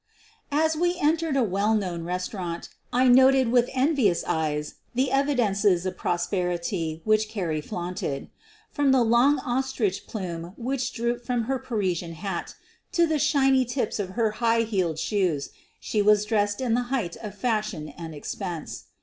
As we entered a well known restaurant I noted with envious eyes the evidences of prosperity which Carrie flaunted. From the long ostrich plume which drooped from her Parisian hat to the shiny tips of her high heeled shoes she was dressed in the height of fashion and expense.